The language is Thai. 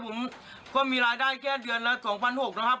ผมก็มีรายได้แค่เดือนละ๒๖๐๐นะครับ